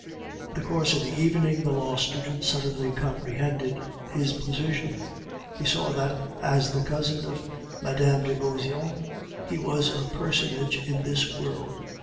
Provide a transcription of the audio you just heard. In the course of the evening the law student suddenly comprehended his position; he saw that, as the cousin of Mme. de Beauseant, he was a personage in this world.